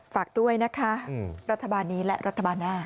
ฝากด้วยนะคะรัฐบาลนี้และรัฐบาลหน้า